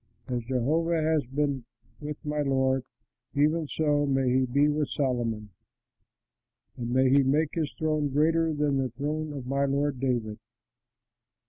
As Jehovah has been with my lord, even so may he be with Solomon, and may he make his throne greater than the throne of my lord David!"